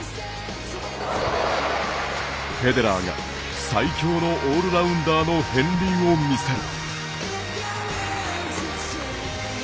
フェデラーが最強のオールラウンダーの片りんを見せる。